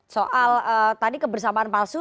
soal tadi kebersamaan palsu